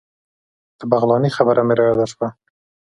د بغلاني خبره مې رایاده شوه.